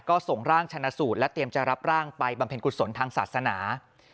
ก็ส่งร่างชนะสูตรและเตรียมจะรับร่างไปบำเพ็ญกุศลทางศาสนา